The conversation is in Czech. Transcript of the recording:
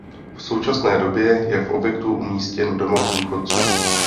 V současné době je v objektu umístěn Domov důchodců.